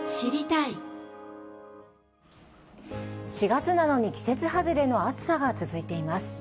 ４月なのに季節外れの暑さが続いています。